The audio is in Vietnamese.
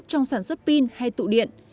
trong sản xuất pin hay tụ điện